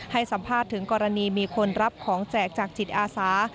ให้สัมภาษณ์ถึงกรณีมีคนรับของแจกจากจิตอาสา